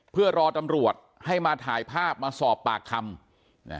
เพื่อรอตำรวจให้มาถ่ายภาพมาสอบปากคำนะ